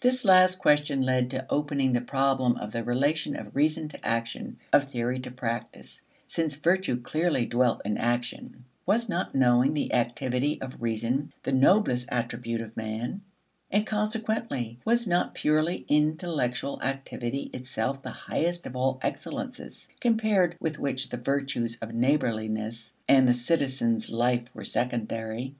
This last question led to opening the problem of the relation of reason to action, of theory to practice, since virtue clearly dwelt in action. Was not knowing, the activity of reason, the noblest attribute of man? And consequently was not purely intellectual activity itself the highest of all excellences, compared with which the virtues of neighborliness and the citizen's life were secondary?